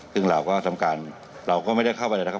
ซึ่งเราก็ทำการเราก็ไม่ได้เข้าไปนะครับ